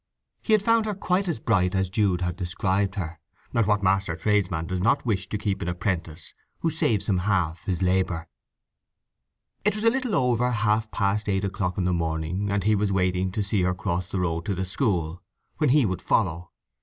He had found her quite as bright as Jude had described her; and what master tradesman does not wish to keep an apprentice who saves him half his labour? It was a little over half past eight o'clock in the morning and he was waiting to see her cross the road to the school, when he would follow.